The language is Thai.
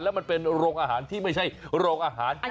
แล้วมันเป็นโรงอาหารที่ไม่ใช่โรงอาหาร